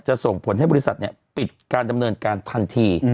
ส่งผลให้บริษัทปิดการดำเนินการทันที